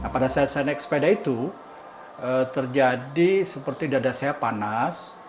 pada saat saya naik sepeda itu terjadi seperti dada saya panas